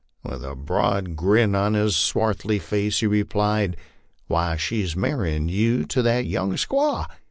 With a broad grin on his swarthy face he replied, " Why, she's marryin' you to that young squaw